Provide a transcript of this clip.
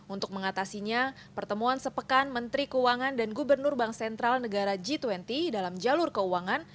untuk mengatasinya pertemuan sepekan menteri keuangan dan gubernur bank sentral negara g dua puluh dalam jalur keuangan